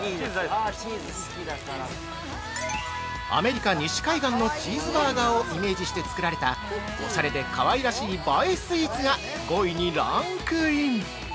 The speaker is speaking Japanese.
◆アメリカ西海岸のチーズバーガーをイメージして作られた、おしゃれでかわいらしい映えスイーツが５位にランクイン！